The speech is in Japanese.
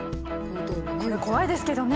これ怖いですけどね